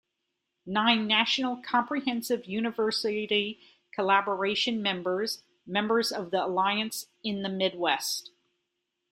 "Nine national comprehensive university collaboration members, members of the alliance in the Midwest".